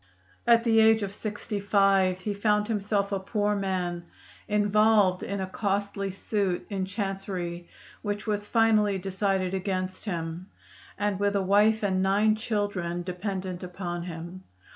At the age of sixty five he found himself a poor man, involved in a costly suit in chancery, which was finally decided against him, and with a wife and nine children dependent upon him.